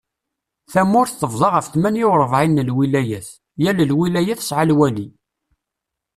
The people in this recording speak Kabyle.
Tamurt tebḍa ɣef tmanya urebɛin n lwilayat, yal lwilaya tesɛa lwali.